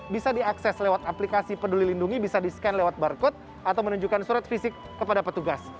bisa diakses lewat aplikasi peduli lindungi bisa di scan lewat barcode atau menunjukkan surat fisik kepada petugas